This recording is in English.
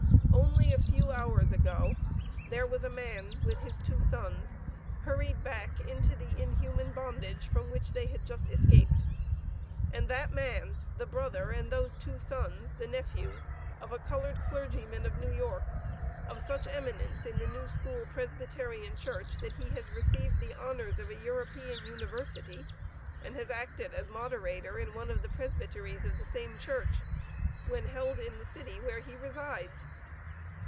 Only a few hours ago, there was a man with his two sons, hurried back into the inhuman bondage, from which they had just escaped, and that man, the brother, and those two sons, the nephews of a colored clergyman of New York, of such eminence in the New School Presbyterian Church, that he has received the honors of a European University, and has acted as Moderator in one of the Presbyteries of the same Church, when held in the city where he resides.